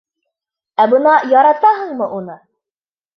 Ә бына яратаһыңмы уны?